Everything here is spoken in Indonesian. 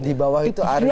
di bawah itu harib